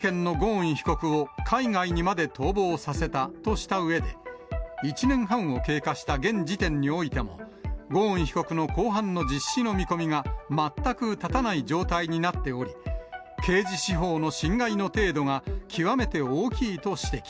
東京地裁は、重大事件のゴーン被告を海外にまで逃亡させたとしたうえで、１年半を経過した現時点においても、ゴーン被告の公判の実施の見込みが全く立たない状態になっており、刑事司法の侵害の程度が極めて大きいと指摘。